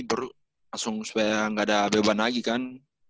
baru langsung supaya gak ada beban lagi kan